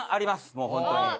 もうホントに。